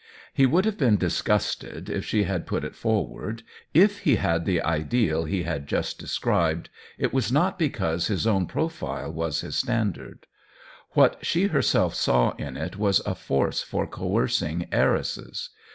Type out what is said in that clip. He would have been disgusted 14 THE WHEEL OF TIME if she had put it forward; if he had the ideal he had just described, it was not be cause his own profile was his standard. What she herself saw in it was a force for coercing heiresses.